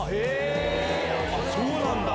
そうなんだ。